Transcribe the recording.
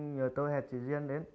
nhờ tôi hẹp chị duyên đến